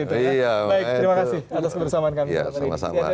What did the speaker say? terima kasih atas kebersamaan kami